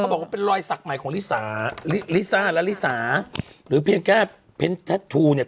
บอกว่าเป็นรอยสักใหม่ของลิสาลิซ่าและลิสาหรือเพียงแค่เพ้นแท็ตทูเนี่ย